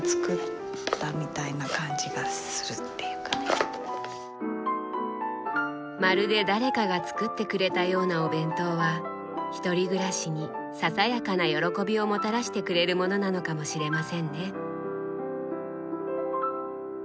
なんかまるで誰かが作ってくれたようなお弁当はひとり暮らしにささやかな喜びをもたらしてくれるものなのかもしれませんね。